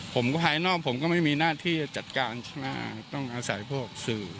ผมภายนอกผมก็ไม่มีหน้าที่จะจัดการใช่ไหมต้องอาศัยพวกสื่อ